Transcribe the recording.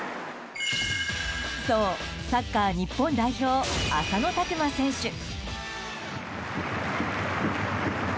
そう、サッカー日本代表浅野拓磨選手。